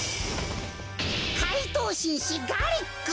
怪盗紳士ガリック！